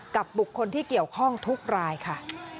บุคคลที่เกี่ยวข้องทุกรายค่ะ